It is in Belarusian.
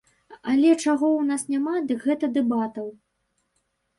Але чаго ў нас няма, дык гэта дэбатаў.